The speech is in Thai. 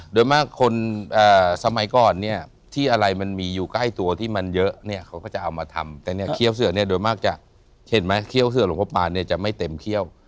โดยมากคนสมัยก่อนเนี่ยที่อะไรมันมีอยู่ใกล้ตัวที่มันเยอะเนี่ยเขาก็จะเอามาทำแต่เนี่ยเคี้ยวเสือเนี่ยโดยมากจะเห็นไหมเคี้ยวเสือหลวงพ่อปานเนี่ยจะไม่เต็มเขี้ยว